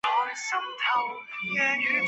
兴趣是散步与研究竹轮。